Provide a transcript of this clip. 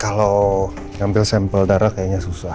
kalau ngambil sampel darah kayaknya susah